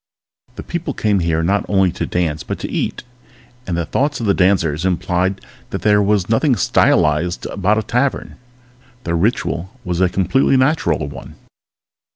People came here not only to dance but to eat, and the thoughts of the dancers implied that there was nothing stylized about a tavern. The ritual was a completely natural one.